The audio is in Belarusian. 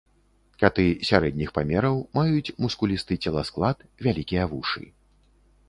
Каты сярэдніх памераў, маюць мускулісты целасклад, вялікія вушы.